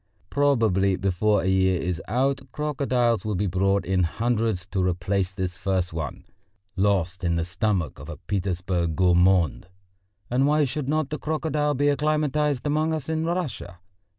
Probably before a year is out crocodiles will be brought in hundreds to replace this first one, lost in the stomach of a Petersburg gourmand. And why should not the crocodile be acclimatised among us in Russia?